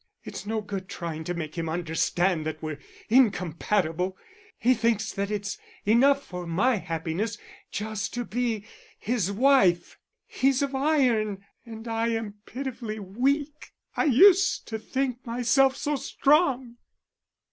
It's no good trying to make him understand that we're incompatible. He thinks that it's enough for my happiness just to be his wife. He's of iron, and I am pitifully weak.... I used to think myself so strong!"